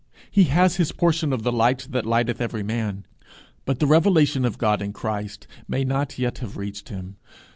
He has his portion of the light that lighteth every man, but the revelation of God in Christ may not yet have reached him.